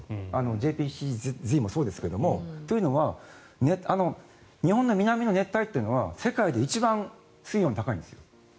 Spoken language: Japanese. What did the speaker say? ＪＰＣＺもそうですがというのは日本の南の熱帯というのは世界で一番、水温が高いんです。